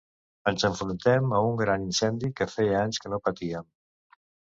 Ens enfrontem a un gran incendi que feia anys que no patíem.